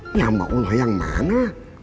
ini sama allah yang mana